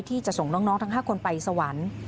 ที่จะส่งน้องทั้ง๕คนไปสวรรค์